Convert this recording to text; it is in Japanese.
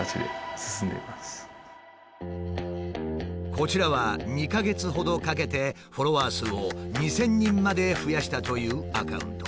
こちらは２か月ほどかけてフォロワー数を２，０００人まで増やしたというアカウント。